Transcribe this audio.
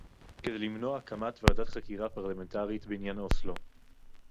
כדי למנוע הקמת ועדת חקירה פרלמנטרית בעניין אוסלו